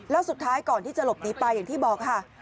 แล้วสุดท้ายก่อนที่จะหลบหนีไปอย่างที่บอกค่ะ